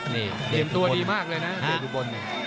เตรียมตัวดีมากเลยนะเตรียมตัวบน